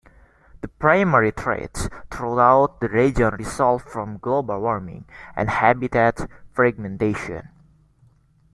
The primary threats throughout the region result from global warming and habitat fragmentation.